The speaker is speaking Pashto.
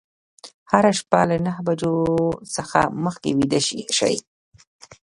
هره شپه له نهه بجو څخه مخکې ویده شئ.